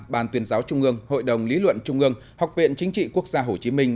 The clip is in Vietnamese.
ban tuyên giáo trung ương hội đồng lý luận trung ương học viện chính trị quốc gia hồ chí minh